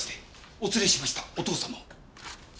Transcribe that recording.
お連れしましたお父様を。